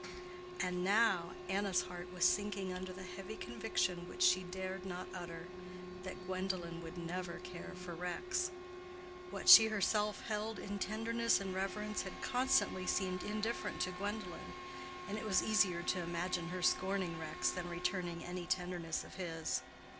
And now Anna's heart was sinking under the heavy conviction which she dared not utter, that Gwendolen would never care for Rex. What she herself held in tenderness and reverence had constantly seemed indifferent to Gwendolen, and it was easier to imagine her scorning Rex than returning any tenderness of his.